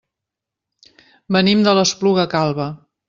Venim de l'Espluga Calba.